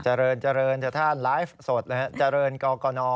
เจริญเจริญท่านไลฟ์สดนะครับเจริญกกน